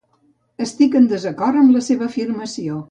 Estic en desacord amb la seva afirmació.